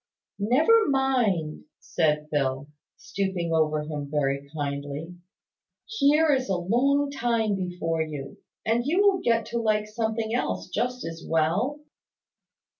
"Never mind!" said Phil, stooping over him very kindly. "Here is a long time before you; and you will get to like something else just as well.